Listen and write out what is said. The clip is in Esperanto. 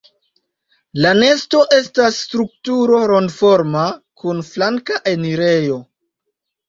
La nesto estas strukturo rondoforma kun flanka enirejo.